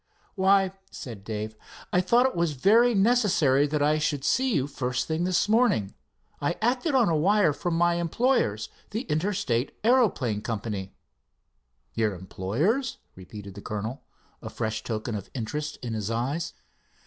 "Why," said Dave, "I thought it was very necessary that I should see you first thing this morning. I acted on a wire from my employers, the Interstate Aeroplane Co." "Your employers?" repeated the colonel, a fresh token of interest in his eyes.